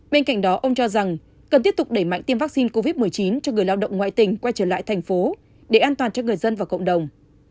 bên cạnh đó ông cho rằng cần tiếp tục đẩy mạnh tiêm vaccine covid một mươi chín cho người lao động ngoại tỉnh quay trở lại thành phố để an toàn cho người dân và cộng đồng